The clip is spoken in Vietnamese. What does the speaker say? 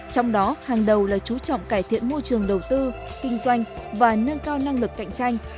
trong đó hàng đầu là chú trọng cải thiện môi trường đầu tư kinh doanh và nâng cao năng lực cạnh tranh